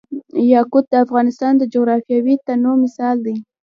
یاقوت د افغانستان د جغرافیوي تنوع مثال دی.